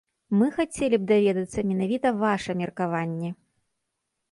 Мы хацелі б даведацца менавіта ваша меркаванне.